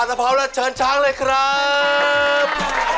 ถ้าพร้อมแล้วเชิญช้างเลยครับ